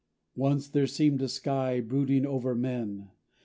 Once there seemed a sky, Brooding over men.